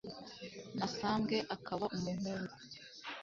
na sambwe akaba umuhungu